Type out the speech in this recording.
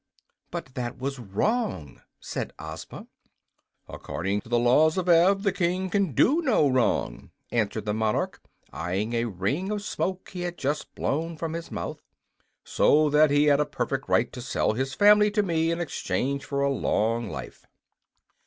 "But that was wrong," said Ozma. "According to the laws of Ev, the king can do no wrong," answered the monarch, eying a ring of smoke he had just blown from his mouth; "so that he had a perfect right to sell his family to me in exchange for a long life."